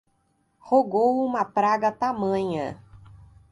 Rogou uma praga tamanha